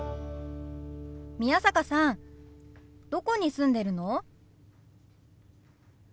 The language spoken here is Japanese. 宮坂さんどこに住んでるの？